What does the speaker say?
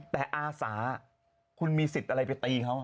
แต่อาสาคุณมีสิทธิ์อะไรไปตีเขา